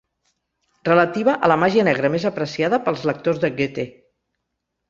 Relativa a la màgia negra més apreciada pels lectors de Goethe.